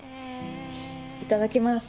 いただきます。